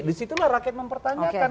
disitulah rakyat mempertanyakan